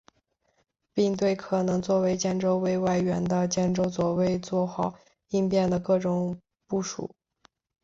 并对可能作为建州卫外援的建州左卫作好应变的各种部署。